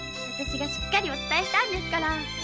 しっかりお伝えしたんですから。